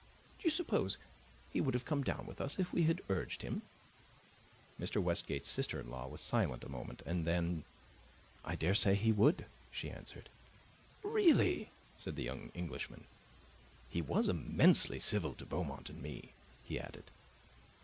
"Do you suppose he would have come down with us if we had urged him?" Mr. Westgate's sister in law was silent a moment, and then, "I daresay he would," she answered. "Really!" said the young Englishman. "He was immensely civil to Beaumont and me," he added.